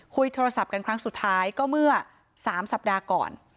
คุยโทรศัพท์กันครั้งสุดท้ายก็เมื่อ๓สัปดาห์ก่อน